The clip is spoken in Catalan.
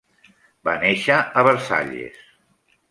Va néixer a Versalles.